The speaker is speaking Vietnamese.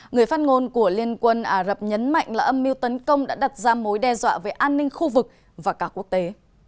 người phát ngôn của liên quân ả rập nhấn mạnh là âm mưu tấn công đã đặt ra mối đe dọa về an ninh khu vực và cả quốc tế